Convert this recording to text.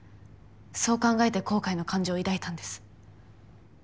そう考えて「後悔」の感情を抱いたんです。